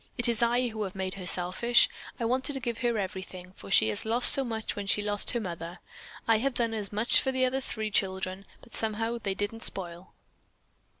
It is I who have made her selfish. I wanted to give her everything, for she had lost so much when she lost her mother. I have done as much for the other three children, but somehow they didn't spoil."